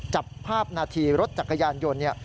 จับภาพนาทีรถจักรยานยนต์